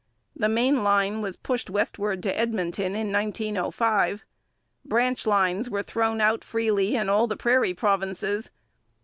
The main line was pushed westward to Edmonton in 1905. Branch lines were thrown out freely in all the prairie provinces.